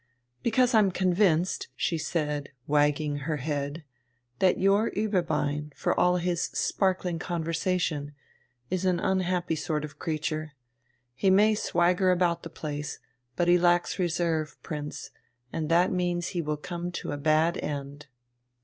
"Because I'm convinced," she said, wagging her head, "that your Ueberbein, for all his sparkling conversation, is an unhappy sort of creature. He may swagger about the place; but he lacks reserve, Prince, and that means that he will come to a bad end."